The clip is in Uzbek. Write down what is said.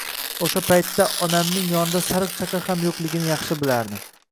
O`sha paytda onamning yonida sariq chaqa ham yo`qligini yaxshi bilardim